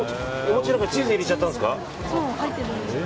チーズ入れちゃったんですか？